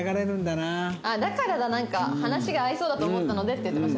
なんか話が合いそうだと思ったのでって言ってました。